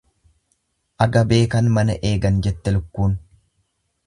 Aga beekan mana eegan jette lukkuun.